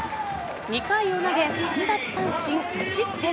２回を投げ、３奪三振無失点。